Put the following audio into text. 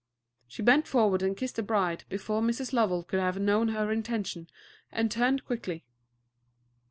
She bent forward and kissed the bride before Mrs. Lovell could have known her intention, and turned quickly.